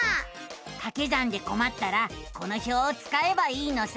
かけ算でこまったらこの表をつかえばいいのさ。